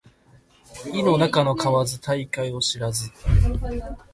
井の中の蛙大海を知らず